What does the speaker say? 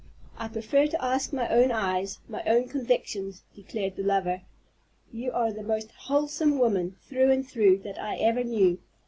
"I prefer to ask my own eyes, my own convictions," declared the lover. "You are the most 'wholesome' woman, through and through, that I ever knew.